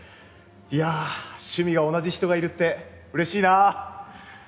いや趣味が同じ人がいるってうれしいな。